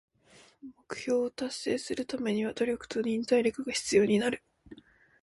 目標を達成するためには努力と忍耐力が必要になる。